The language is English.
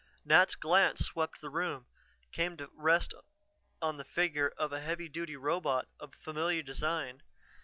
Nat's glance swept the room, came to rest on the figure of a heavy duty robot of familiar design.